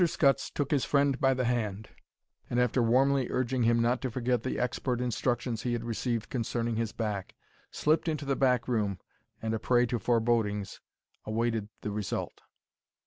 Scutts took his friend by the hand, and after warmly urging him not to forget the expert instructions he had received concerning his back, slipped into the back room, and, a prey to forebodings, awaited the result.